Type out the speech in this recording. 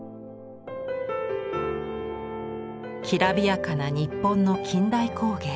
きらびやかな日本の近代工芸。